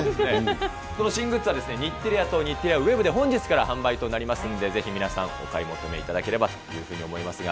この新グッズは、日テレ屋と日テレ屋ｗｅｂで本日から販売となりますんで、ぜひ皆さんお買い求めいただければというふうに思いますが。